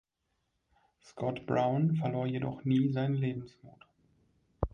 Scott-Brown verlor jedoch nie seinen Lebensmut.